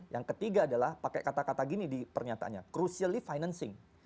yang ketiga adalah pakai kata kata gini di pernyataannya crucially financing